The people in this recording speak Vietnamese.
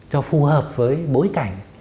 cho phù hợp với bối cảnh